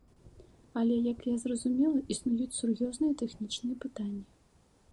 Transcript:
Але, як я зразумела, існуюць сур'ёзныя тэхнічныя пытанні.